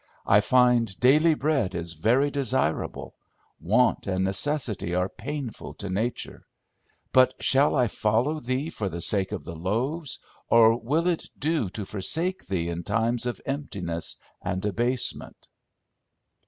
I find daily bread is very desirable; want and necessity are painful to nature; but shall I follow Thee for the sake of the loaves, or will it do to forsake Thee in times of emptiness and abasement?"